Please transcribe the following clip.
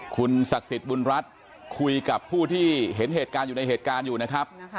คุณศักดิ์สิทธิ์บุญรัฐคุยกับผู้ที่เห็นเหตุการณ์อยู่ในเหตุการณ์อยู่นะครับ